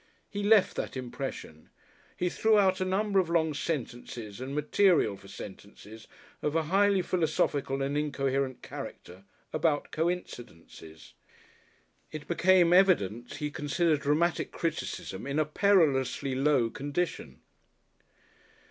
He left that impression. He threw out a number of long sentences and material for sentences of a highly philosophical and incoherent character about Coincidences. It became evident he considered dramatic criticism in a perilously low condition....